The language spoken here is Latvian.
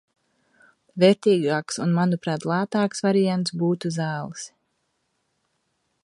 Vērtīgāks un manuprāt lētāks variants būtu zāles.